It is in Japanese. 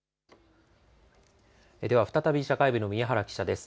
再び社会部の宮原記者です。